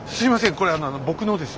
これ僕のです。